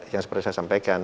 yang seperti saya sampaikan